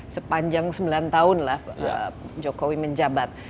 sepanjang sembilan tahun lah jokowi menjabat